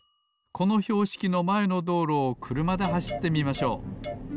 このひょうしきのまえのどうろをくるまではしってみましょう。